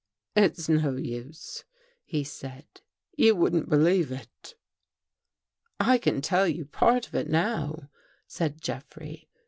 " It's no use," he said. " You wouldn't believe it." " I can tell you part of it now," said Jeffrey.